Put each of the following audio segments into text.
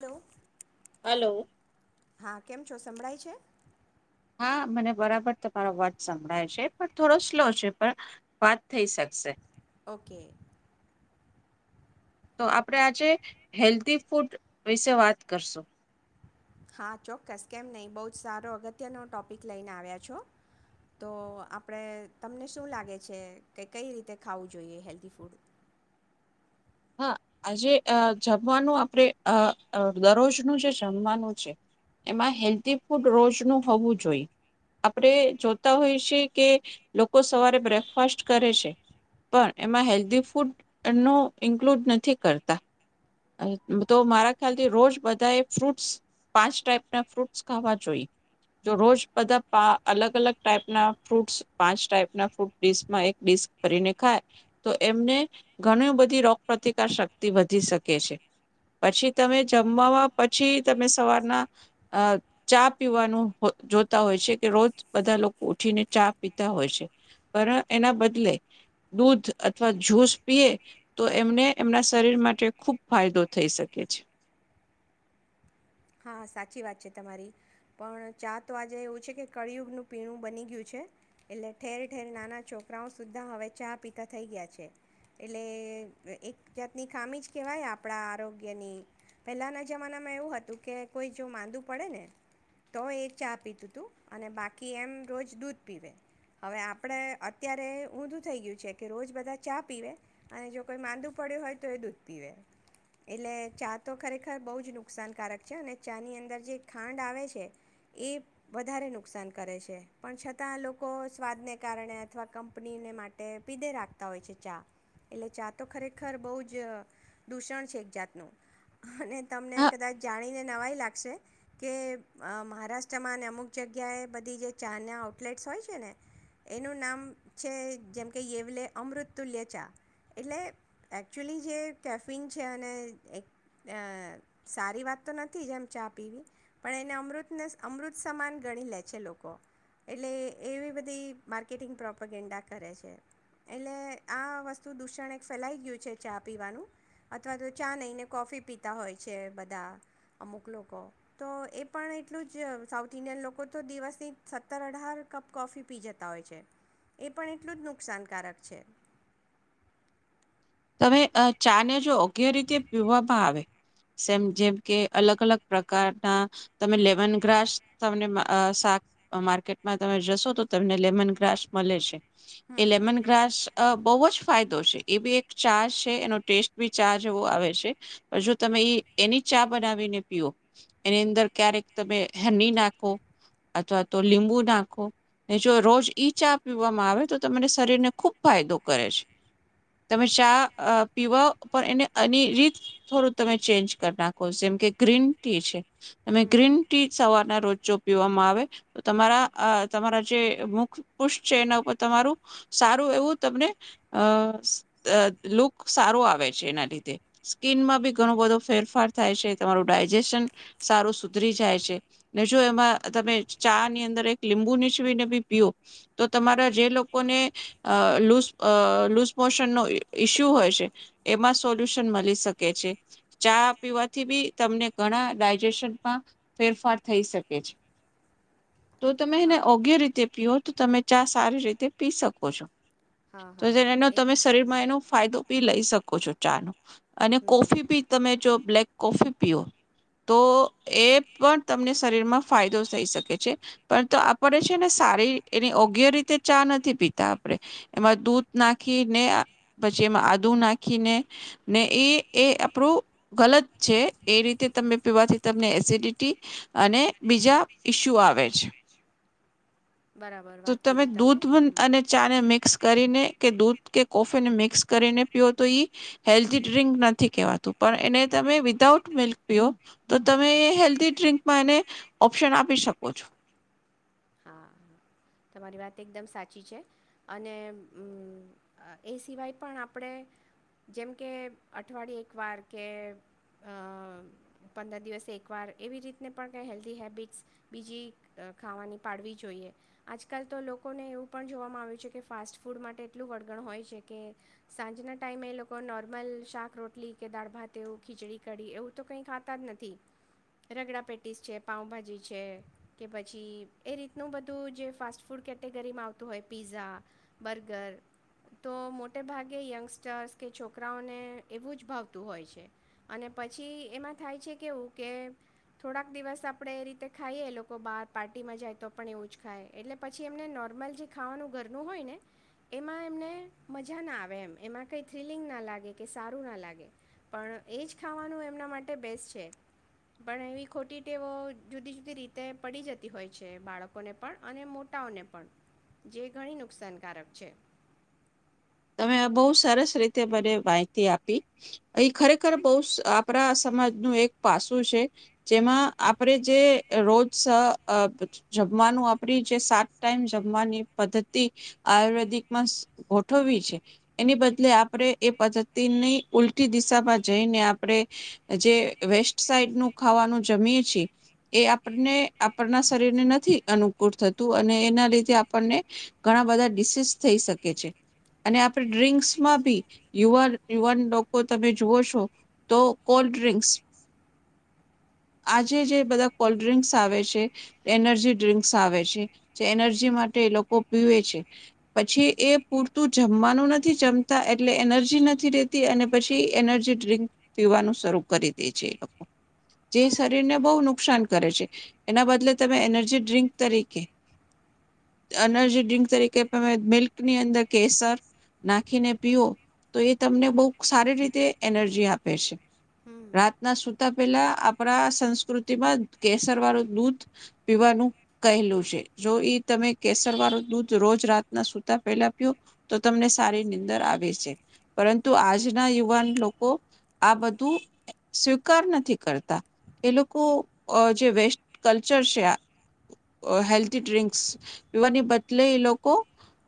Hello hello. હા કેમ છો સંભળાય છે [inaudible] હા મને બરાબર તમારો વાત સંભળાય છે પણ થોડો સ્લો છે પણ વાત થઈ શકશે ઓકે તો આપણે આજે હેલ્ધી ફૂડ વિશે વાત કરશું હા ચોક્કસ કેમ નહીં બહુ જ સારો અગત્યનો ટોપિક લઈને આવ્યા છો તો આપણે તમને શું લાગે છે કે કઈ રીતે ખાવું જોઈએ હેલ્ધી ફૂડ હા આજે જમવાનું આપણે દરરોજનું જે જમવાનું છે એમાં હેલ્ધી ફૂડ રોજનું હોવું જોઈએ આપણે જોતા હોઈ છે કે લોકો સવારે બ્રેકફાસ્ટ કરે છે પણ એમાં હેલ્ધી ફૂડ ન ઇન્ક્લુડ નથી કરતા તો મારા ખ્યાલથી રોજ બધા એ ફ્રૂટસ પાંચ ટાઈપના ફ્રૂટ્સ ખાવા જોઈએ જો હમ રોજ બધા અલગ અલગ ટાઈપના ફ્રૂટ્સ પાંચ ટાઈપના ફ્રૂટિસમાં એક ડડીસ ભરીને ખાય તો એમને ઘણી બધી રોગ પ્રતિકાર શક્તિ વધી શકે પછી તમે જમવા પછી તમે સવારના ચા પીવાનું જોતા હોય છે કે રોજ બધા લોકો ઉઠીને ચા પીતા હોય છે પણ એના બદલે દૂધ અથવા જ્યુસ પીએ તો એમને એમના શરીર માટે ખૂબ ફાયદો થઈ શકે છે હા સાચી વાત છે તમારી પણ ચા તો આજે એવું છે કે કળિયુગનું પીણું બની ગયું છે એટલે ઠેર ઠેર નાના છોકરાઓ સુધા હવે ચા પીતા થઈ ગયા છે એટલે એક જાતની ખામી જ કહેવાય આપણા આરોગ્યની પહેલાંના જમાનામાં એવું હતું કે કોઈ જો માંદું પડે ને તો એ ચા પીતું હતું અને બાકી એમ રોજ દૂધ પીવે હવે આપણે અત્યારે ઊંધું થઈ ગયું છે કે રોજ બધા ચા પીવે અને જો કોઈ માંદું પડ્યું હોય તો એ દૂધ પીવે એટલે ચા તો ખરેખર બહુ જ નુકસાનકારક છે અને ચા ની અંદર જે ખાંડ આવે છે એ વધારે નુકસાન કરે છે પણ છતાં લોકો સ્વાદને કારણે અથવા કંપનીને માટે પીદે રાખતા હોય છે ચા એટલે ચા તો ખરેખર બહુ જ દૂષણ છે એક જાતનું અને તમને હા કદાચ જાણીને નવાઈ. લાગશે કે મહારાષ્ટ્રમાં ને અમુક જગ્યાએ બધી જે ચાના આઉટલેટ્સ હોય છે ને એનું નામ છે, જેમ કે યેવલે અમૃતતુલ્ય ચા. એટલે એકચ્યુલી જે કેફિન છે અને એક સારી વાત નથી જેમ. ચા પીવી પણ એને અમૃતને અમૃત સમાન ગણી લે છે લોકો, એટલે એવી બધી માર્કેટિંગ પ્રોપોગેન્ડા કરે છે. એટલે આ વસ્તુ દૂષણ એક ફેલાઈ ગયું છે. ચા પીવાનું અથવા તો ચા નહીંને કોફી પીતા હોય છે બધા, અમુક લોકો કો તો એ પણ એટલું જ સાઉથ ઇન્ડિયન લોકો તો દિવસ ની સત્તર-અઢાર કપ કોફી પી જતા હોય છે, એ પણ એટલું જ નુકસાનકારક છે. તમેઅ ચાને જો યોગ્ય રીતે પીવામાં આવે, જેમ કે અલગ અલગ પ્રકારના તમે લેમન ગ્રાસ તમને શાક માર્કેટમાં તમે જશો તો તમને લેમન ગ્રાસ મળે છે. એ હમ હમ લેમન ગ્રાસ અ બવજ ફાય દોષે એવી એક ચા છે, એનો ટેસ્ટ બી ચા જેવો આવે છે. પણ જો તમે ઈ એની ચા બનાવીને પીઓ, એની અંદર ક્યારેક તમે હેની નાખો અથવા તો લીંબુ નાખો. ને જો રોજ ઈ ચા પીવામાં આવે તો તમને શરીરને ખુબ ફાયદો કરે છે. તમે ચા અ પીવા પણ એને અને રીત થોડું તમે ચેન્જ કરી નાખો, જેમ કે ગ્રીન ટી છે. તમે હમ ગ્રીન ટી સવારના રોજ ચો પીવામાં આવે તો, તમારા આ તમારા જે મુખ પુષ છે, એના ઉપર તમારું સારું એવું તમને અ અ લુક સારો આવે છે એના લીધે સ્કીનમાં બી ઘણો બધો ફેરફાર થાય છે, તમારું ડાયજેશન સારું સુધરી જાય છે ને, જો એમાં તમે ચા ની અંદર એક લીંબુ નીચવીને બી પીઓ તો તમારા જે લોકોને લૂઝ લુઝ મોશનનો ઈસ્યુ હોય છે, એમાં સોલ્યુશન મલી શકે છે, ચા પીવાથી બી તમને ઘણા ડાયજેશનમાં ફેરફાર થઈ શકે છે. તો તમે એને હા યોગ્ય રીતે પીઓ. તો તમે ચા સારી રીતે પી શકો છો. હા તો હા જે હા એનો એક તમે એમાં હમ એનો ફાયદો પી લઈ શકો છો. ચા નો. અને હમ કોફી બી તમે જો બ્લેક કોફી પીઓ તો એ પણ તમને શરીર માં ફાયદો થઈ શકે છે, પણ તો આપડે છે ને સારી એની યોગ્ય રીતે ચા નથી પીતા, આપડે એમાં દૂધ નાખીને પછી એમાં આદુ નાખીને, ને, એ એ આપરુ ગલત છે, એ રીતે તમે પીવાથી તમને એસિડિટી અને બીજા ઈસ્યુ આવે છે. બરાબર તો વાત તમે કીધી દૂધ હમ અને ચા ને મિક્સ કરીને કે દૂધ કે કોફીને મિક્સ કરીને પીઓ તો ઈ હેલ્ધી ડ્રિંક નથી કહેવાતું, પણ એને તમે વિદાઉટ મિલ્ક પીઓ તો તમે એ હેલ્ધી ડ્રિન્કમાં એને ઓપ્શન આપી શકો છો. હા તમારી વાત એકદમ સાચી છે. અને એ મ સિવાય પણ આપડે જેમ કે અઠવાડિયે એક વાર કે અ પંદર દિવસે એકવાર એવી રીતને પણ હેલ્ધી હેબિટસ બીજી ખાવાની પાડવી જોઈએ. આજકાલ તો લોકોને એવું પણ જોવામાં આવ્યું છે કે ફાસ્ટ ફૂડ માટે એટલું વળગણ હોય છે કે સાંજના ટાઈમે એ લોકો નોર્મલ શાક-રોટલી કે દાળ-ભાતએવુ ખીચડી-કઢી એવું તો કંઈ ખાતા જ નથી. રગડા પેટીસ છે, પાઉભાજી છે કે પછી એ રીતનું બધું જે પાસ્ટ ફૂડ કેટેગરીમાં આવતું હોય પીઝા, બર્ગર તો મોટે ભાગે યંગસ્ટર્સ કે છોકરાઓને એવું જ ભાવતું હોય છે. અને પછી એમાં થાય છે કેવું કે થોડાક દિવસ આપડે એ રીતે ખાઈએ. લોકો બહાર પાર્ટીમાં જાય તો પણ એવું જ ખાય. એટલે પછી એમને નોર્મલ જે ખાવાનું ઘરનું હોય ને એમાં એમને મજા ના આવે, એમ એમાં કંઈ થ્રીલિંગ ના લાગે કે સારું ના લાગે. પણ એ જ ખાવાનું એમના માટે બેસ્ટ છે. પણ એવી ખોટી ટેવો જુદી જુદી રીતે પડી જતી હોય છે બાળકોને પણ અને મોટાઓને પણ, જે ઘણી નુકસાનકારક છે. તમે બહુ સરસ રીતે મને માહિતી આપી. એ ખરેખર બહુ આપરા સમાજનું એક પાસું છે, જેમાં આપરે જે રોજ જમવાનું આપરી જે સાત ટાઈમ જમવાની પદ્ધતિ આયુર્વેદિકમાં થવી છે એની બદલે આપડે એ પદ્ધતિની ઉલટી દિશામાં જઈને આપડે જે વેસ્ટ સાઈડ નું ખાવાનું જમીએ છીએ. એ આપણને આપણના શરીરને નથી અનુકૂળ થતું અને એના લીધે આપણને ઘણા બધા ડીસીસ થઈ શકે છે. અને આપડ ડ્ર્રીંક્સમાં બી યુવા યુવાન લોકો તમે જુવો છો તો કોલ્ડ ડ્રિન્ક્સ આજે જે બધા કોલ્ડ ડ્રિંક્સ આવે છે, એનર્જી ડ્રિન્ક્સ આવે છે, જે એનર્જી માટે એ લોકો પીવે છે. પછી એ પૂરતું જમવાનું નથી જમતા એટલે એનર્જી નથી રહેેતી અને પછી એનર્જી ડ્રીક પીવાનું શરૂ કરી દે છે, એ લોકો જે શરીરને બહુ નુકસાન કરે છે. એના બદલે તમે એનર્જી ડ્ર્રીંક તરીકે, એનર્જી ડ્રીંક તરીકે, તમે મિલ્ક ની અંદર કેસર નાખીને પીઓ તો એ તમને બહુ સારી રીતે એનર્જી આપે છે. હમ રાત ના સુતા પેલા આપડા સંસ્કૃતિમાં જ કેસર વાળું દૂધ પીવાનું કહેલું છે. જો ઈ તમે કેસર વાળું દૂધ રોજ રાતના સુતા પેલા પીઓ તો તમને સારી નીંદર આવે છે. પરંતુ આજના યુવાન લોકો આ બધું સ્વીકાર નથી કરતા. એ લોકો જે વેસ્ટ કલ્ચર છે હેલ્ધી ડ્રિંક્સ યુવાને બદલે એ લોકો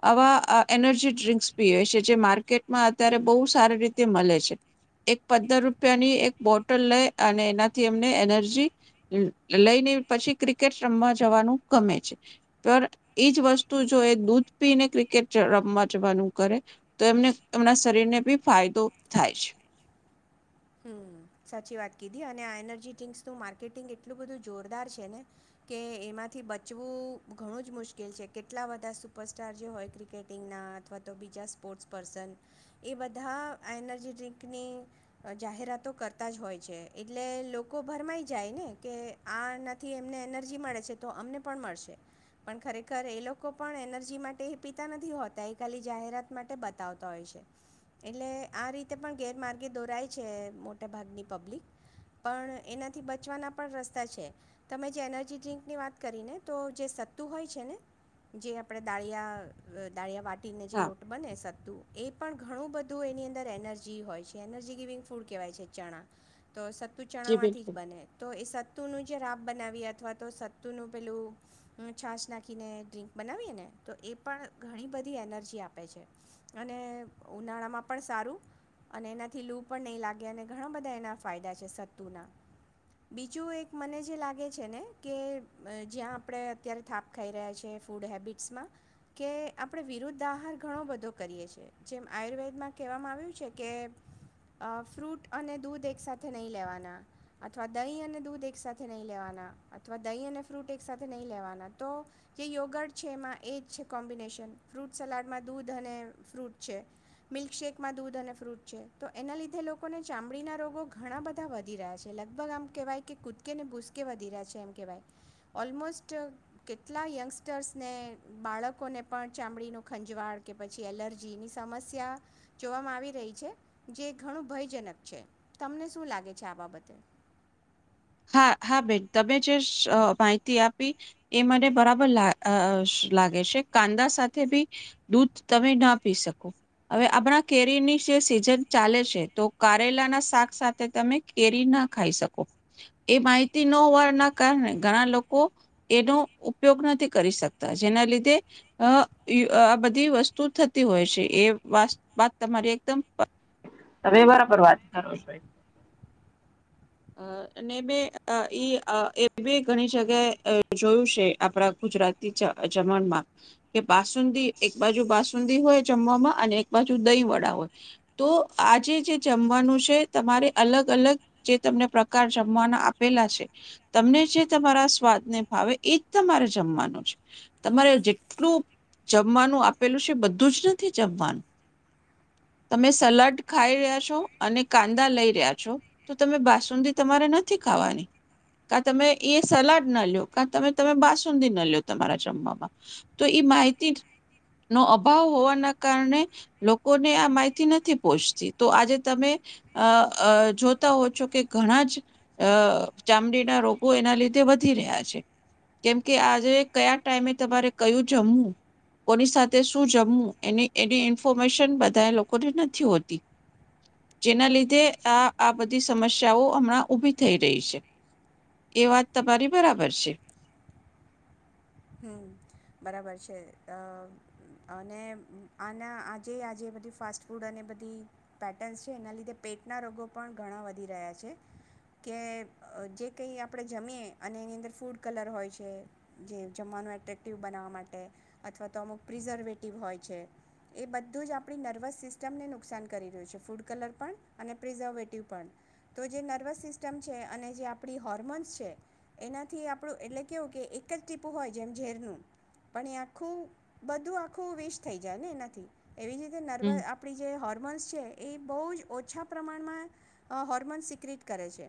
આવા એનર્જી ડ્રિંકસ પીવે છે, જે માર્કેટમાં અત્યારે બહુ સારી રીતે મળે છે. એક પંદર રૂપિયાની એક બોટલ લઈ અને એનાથી એમને એનર્જી લઈને પછી ક્રિકેટ રમવા જવાનું ગમે છે. પણ એજ વસ્તુ જો એ દૂધ પીને ક્રિકેટ જ રમવા જવાનું કરે તો એમને એમના શરીરને બી ફાયદો થાય છે. હમ, સાચી વાત કીધી. અને આ એનર્જી ડ્રિંક્સનું માર્કેટિંગ એટલું બધું જોરદાર છે ને, કે એમાંથી બચવું ઘણું જ મુશ્કેલ છે. કેટલા બધા સુપરસ્ટાર જે હોય ક્રિકેટિંગના અથવા તો બીજા સ્પોર્ટ્સ પર્સન એ બધા એનર્જી ડ્રિંકની જાહેરાતો કરતા જ હોય છે, એટલે લોકો ભરમાંઈ જાય ને કે આ નથી એમને એનર્જી મળે છે તો અમને પણ મળશે. પણ ખરેખર એ લોકો પણ એનર્જી માટે એ પીતા નથી હોતા, એ ખાલી જાહેરાત માટે બતાવતાં હોય છે, એટલે આ રીતે પણ ગેરમાર્ગે દોરાય. છે. મોટા ભાગની પબ્લિક પણ એનાથી બચવાના પણ રસ્તા છે. તમે જે એનર્જી ડ્ર્રીંકની વાત કરીને તો જે સત્તુ હોય છે ને, જે આપડે દાળીયા દાળિયા વાટ ટીને જે હા લોટ બને સત્તુ એ પણ ઘણું બધું એની અંદર એનર્જી હોય છે, એનર્જી ગિવિંગ ફૂડ કહેવાય છે ચણા તો સત્તુ જી ચણામાંથી બિલકુલ જ બને. તો એ સત તોનું જે રાબ બનાવીએ અથવા તો સત્તુનું પેલું છાસ નાખીને ડ્ર્રીંક બનાવીએ ને તો એ પણ ઘણી બધી એનર્જી આપે છે, અને ઉનાળામાં પણ સારું અન એનાથી લૂ પણ નઈ લાગે અને ઘણા બધા એના ફાયદા છે સત્તુના. બીજું એક મને જે લાગે છે ને કે, જ્યાં આપડે અત્યારે થાક ખાઈ રહ્યા છે ફૂડ હેબિટ્સમાં કે આપડે વિરુદ્ધ આહાર ઘણો બધો કરીએ છીએ. જેમ આયુર્વેદમાં કહેવામાં આવ્યું છે કે અ ફ્રૂટ અને દૂધ એક સાથે નઈ લેવાના અથવા દહીં અને દૂધ એક સાથે નઈ લેવાના અથવા દહીં અને ફ્રૂટ એક સાથે નઈ લેવાના તો, જે યોગડ છે એમાં એ જ છે, કોમ્બિનેશન ફ્રૂટ સલાડમાં દૂધ અને ફ્રૂટ છે, મિલ્કશેેકમાં દૂધ અને ફ્રૂટ છે, તો એના લીધે લોકોને ચામડીના રોગો ઘણા બધા વધી રહ્યા છે. લગભગ આમ કહેવાય કે, કૂદકે ને ભૂસકે વધી રહ્યા છે એમ કહેવાય. ઓલમોસ્ટ કેટલા યંગસ્ટર્સને, બાળકોને પણ ચામડીનું ખંજવાળ કે પછી એલર્જીની સમસ્યા જોવામાં આવી રહી છે. જે ઘણું ભયજનક છે તમને શું લાગે છે આ બાબતે? હા હા બેન તમે જે માહિતી આપી એ મને બરાબર લા લાગે છે કાંદા સાથે બી દૂધ તમે ના પી શકો હવે આપણા કેરીની જે સીઝન ચાલે છે તો કારેલા ના શાક સાથે તમે કેરી ના ખાઈ શકો. એ માહિતી ન હોવાના કારણે ઘણા લોકો એનો ઉપયોગ નથી કરી શકતા જેના લીધે અ આ બધી વસ્તુ થતી હોય છે એ વા વાત તમારી એકદમ પર વાત કર છો એ અ ને બે અ ઈ અ એ મે ઘણી જગ્યાએ અ જોયું છે, આપડા ગુજરાતી જ જમવામાં કે બાસુંદી એક બાજુ બાસુંદી હોય જમવામાં અને એક બાજુ દહીંવડા હોય. તો આજે જે જમવાનું છે, તમારે અલગ-અલગ જે તમને પ્રકાર જમવાના આપેલા છે તમને જે તમારા સ્વાદને ભાવે એ જ તમારે જમવાનું છે તમારે જેટલું જમવાનું આપેલું છે બધું જ નથી જમવાનું તમે સલાડ ખાઈ રહ્યા છો અને કાંદા લઈ રહ્યા છો તો તમે બાસુંદી તમારે નથી ખાવાની. કા તમે એ સલાડ ના લ્યો કા તમે તમે બાસુંદી ન લો તમારા જમવામાં, તો ઈ માહિતીનો અભાવ હોવાના કારણે લોકોને આ માહિતી નથી પોહોંચતી. તો આજે તમે અ અ જો તો છો કે ઘણા જ અ ચામડીના રોગો એના લીધે વધી રહ્યા છે કેમ કે આજે કયા ટાઈમે તમારે કયું જમવું કોની સાથે શું જમવું એની ઇન્ફોર્મેશન બધા લોકોને નથી હોતી જેના લીધે આ આ બધી સમસ્યાઓ હમણાં ઊભી થઈ રહી છે, એ વાત તમારી બરાબર છે. હમ, બરાબર છે. અ-અને આના આજે-આજે બધી ફાસ્ટ ફૂડ અને બધી પેટન્સ છે, એના લીધે પેટના રોગો પણ ઘણાં વધી રહ્યા છે, કે અ જે કંઈ આપણે જમીએ અને એની અંદર ફૂડ કલર હોય છે. જે જમવાનું એટ્રેક્ટિવ બનાવા માટે અથવા તો અમુક પ્રિઝર્વેટિવ હોય છે એ બધું જ આપડી નર્વસ સિસ્ટમને નુકસાન કરી રહ્યું છે ફૂડ કલર પણ અને પ્રિઝર્વેટિવ પણ તો જે નર્વસ સિસ્ટમ છે અને જે આપડી હોર્મોન્સ છે એનાથી આપડુ એટલે કેવું કે એક જ ટીપ પૂ હોય જેમ ઝેરનું પણ એ આખું બધું આખું વેસ્ટ થઈ જાય ને એનાથી એવી જ રીતે નર્વ હમ આપડી જે હોર્મોન્સ છે. એ બઉ જ ઓછા પ્રમાણમાં અ હોર્મોન્ સિક્રિટ કરે છે.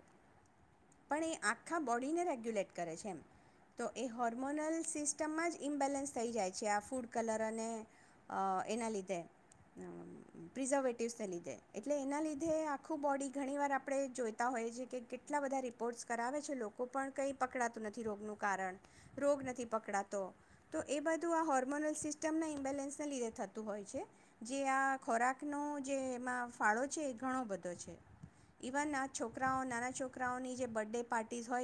પણ એ આખા બોડીને રેગ્યુલેટ કરે છે એમ, તો એ હોર્મોનલ સિસ્ટમમાં જ ઇમ્બેલેન્સ થઈ જાય છે, આ ફૂડ કલર અને એના લીધે પ્રિઝર્વેટિવ્સને લીધે, એટલે એના લીધે આખું બોડી ઘણીવાર આપડે જોઈતા હોઈએ છીએ કે કેટલા બધા રિપોર્ટ્સ કરાવે છે, લોકો પણ કંઈ પકડાતું નથી રોગનું કારણ રોગ નથી પકડાતો. તો એ બધું આ હોર્મોનલ સિસ્ટમના ઈમ્બેલેન્સને લીધે થતું હોય છે. જે આ ખોરાકનો જે એમાં ફાળો છે, એ ઘણો બધો છે. ઇવન આ છોકરાઓ નાના છોકરાઓની જે બર્થડે પાર્ટીસ હોય